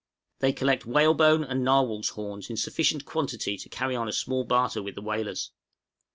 They collect whalebone and narwhal's horns in sufficient quantity to carry on a small barter with the whalers.